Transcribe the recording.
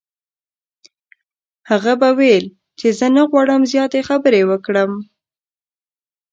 هغه به ویل چې زه نه غواړم زیاتې خبرې وکړم.